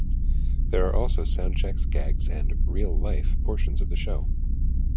There are also sound checks, gags, and "real-life" portions of the show.